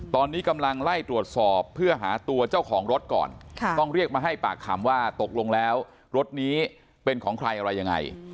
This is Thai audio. ตอนนี้กำลังไล่ตรวจสอบเพื่อหาตัวเจ้าของรถก่อนต้องเรียกมาให้ปากคำว่าตกลงแล้วรถนี้เป็นของใครอะไรยังไง